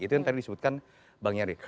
itu yang tadi disebutkan bang nyari